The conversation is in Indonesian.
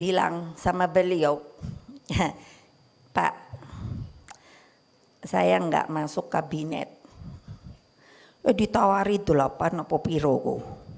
bilang sama beliau pak saya enggak masuk kabinet ditawari dulu pak nopo pirohku